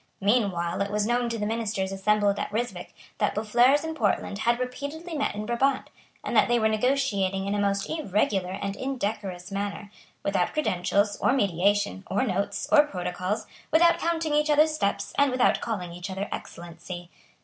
Meanwhile it was known to the ministers assembled at Ryswick that Boufflers and Portland had repeatedly met in Brabant, and that they were negotiating in a most irregular and indecorous manner, without credentials, or mediation, or notes, or protocols, without counting each other's steps, and without calling each other Excellency.